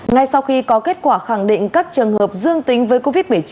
ngay sau khi có kết quả khẳng định các trường hợp dương tính với covid một mươi chín